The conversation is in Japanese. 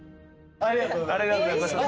ありがとうございます。